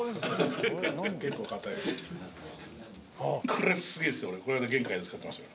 これすげえっすよ。